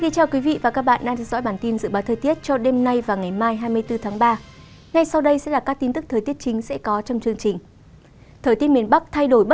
các bạn hãy đăng ký kênh để ủng hộ kênh của chúng mình nhé